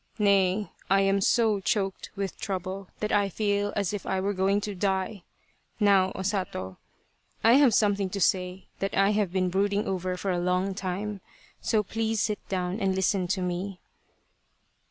Nay, I am so choked with trouble that I feel as if I were going to die. Now, O Sato, I have something to say that I have been brooding over for a long time, so please sit down and listen to me."